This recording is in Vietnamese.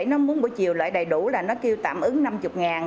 nó muốn buổi chiều loại đầy đủ là nó kêu tạm ứng năm mươi ngàn